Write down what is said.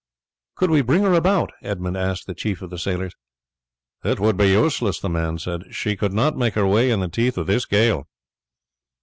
"Could we bring her about?" Edmund asked the chief of the sailors. "It would be useless," the man said. "She could not make her way in the teeth of this gale."